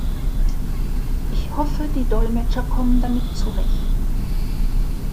Ich hoffe, die Dolmetscher kommen damit zurecht.